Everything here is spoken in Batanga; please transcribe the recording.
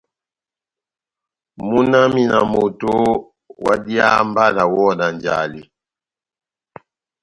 Múna wami na moto oooh, ohádiháha mba nawɔhɔ na njale !